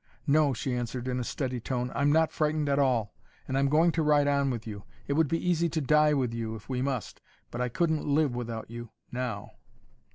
"No," she answered in a steady tone; "I'm not frightened at all. And I'm going to ride on with you. It would be easy to die with you, if we must but I couldn't live without you, now."